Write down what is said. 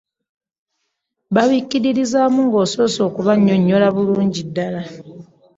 Babikkiririzaamu ng'osoose kubannyonnyola bulungi ddala.